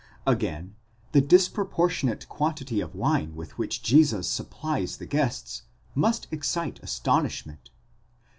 Again, the disproportionate quantity of wine with which Jesus supplies the guests, must excite astonishment.